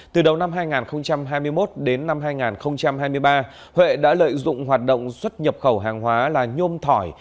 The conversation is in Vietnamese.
từ đầu năm hai nghìn hai mươi một đến năm hai nghìn hai mươi ba huệ đã lợi dụng hoạt động xuất nhập khẩu hàng hóa là nhôm thỏi